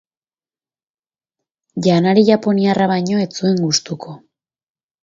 Janari japoniarra baino ez zuen gustuko.